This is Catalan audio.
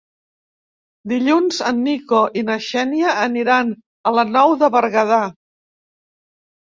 Dilluns en Nico i na Xènia aniran a la Nou de Berguedà.